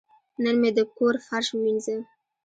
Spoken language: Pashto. نن مې د کور فرش ووینځه.